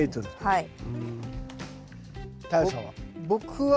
はい。